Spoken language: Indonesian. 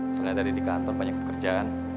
sebenarnya tadi di kantor banyak pekerjaan